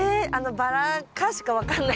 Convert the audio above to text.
バラ科しか分かんない？